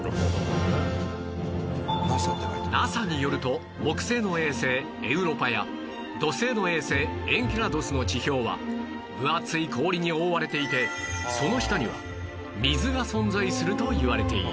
ＮＡＳＡ によると木星の衛星エウロパや土星の衛星エンケラドゥスの地表は分厚い氷に覆われていてその下には水が存在するといわれている